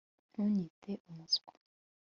ntunyite umuswa